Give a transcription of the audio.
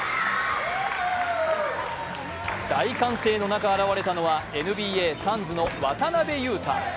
大歓声の中現れたのはＭＢＡ・サンズの渡邊雄太。